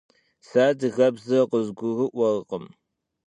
Se adıgebze khızgurı'uerkhım.